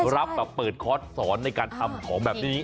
รับแบบเปิดคอร์สสอนในการทำของแบบนี้